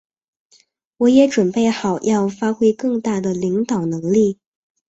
我也准备好要发挥更大的领导能力。